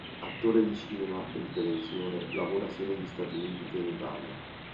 Attore di cinema e di televisione, lavora sia negli Stati Uniti che in Italia.